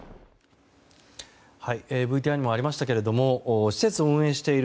ＶＴＲにもありましたけども施設を運営している